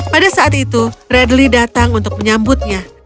pada saat itu redly datang untuk menyambutnya